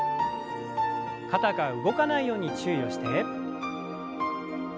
肩が動かないように注意をして。